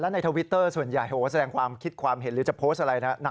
ในทวิตเตอร์ส่วนใหญ่โหแสดงความคิดความเห็นหรือจะโพสต์อะไรนะ